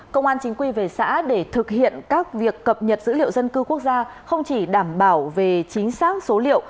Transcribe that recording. công an chính quy về xã để thực hiện các việc cập nhật dữ liệu dân cư quốc gia không chỉ đảm bảo về chính xác số liệu